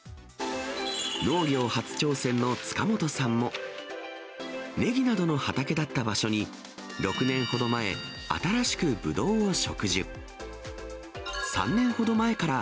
農業初挑戦の塚本さんも、ネギなどの畑だった場所に、６年ほど前、新しくブドウを植樹。